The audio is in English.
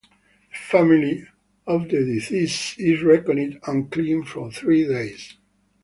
The family of the deceased is reckoned unclean for three days.